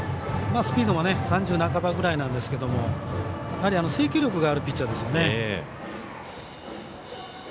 スピードは１３０半ばぐらいなんですがやはり制球力があるピッチャーですね。